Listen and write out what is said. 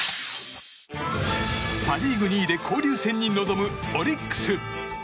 パ・リーグ２位で交流戦に臨むオリックス。